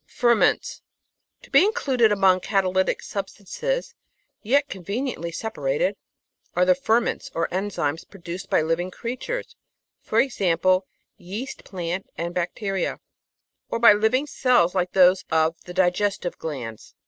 Ferments To be included among catalytic substances, yet conveniently separated, are the ferments or enzymes produced by living crea tures (e.g. yeast plant and bacteria) or by living cells like those of the digestive glands.